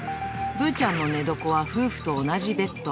ぶーちゃんの寝床は夫婦と同じベッド。